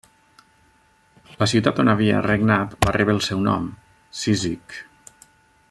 La ciutat on havia regnat, va rebre el seu nom, Cízic.